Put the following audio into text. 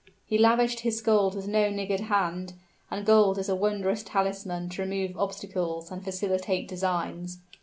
He lavished his gold with no niggard hand, and gold is a wondrous talisman to remove obstacles and facilitate designs.